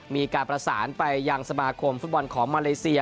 มีการประสานไปยังสมาคมฟุตบอลของมาเลเซีย